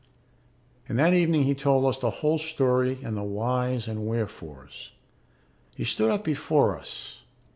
And that evening he told us the whole story and the whys and wherefores. He stood up before us.